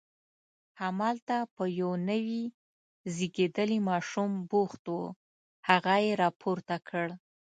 همالته په یو نوي زیږېدلي ماشوم بوخت و، هغه یې راپورته کړ.